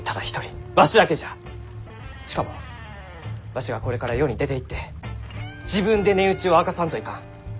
しかもわしがこれから世に出ていって自分で値打ちを明かさんといかん。